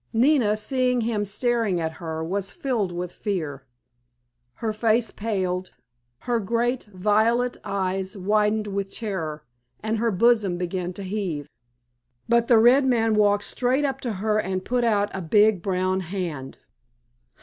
Nina, seeing him staring at her, was filled with fear. Her face paled, her great violet eyes widened with terror, and her bosom began to heave. But the red man walked straight up to her and put out a big brown hand.